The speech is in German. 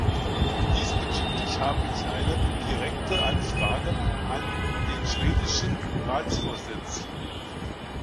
Diesbezüglich habe ich eine direkte Anfrage an den schwedischen Ratsvorsitz.